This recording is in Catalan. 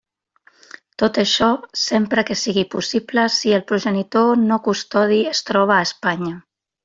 Tot això, sempre que siga possible si el progenitor no custodi es troba a Espanya.